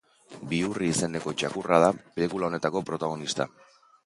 Bihurri izeneko txakurra da pelikula honetako protagonista.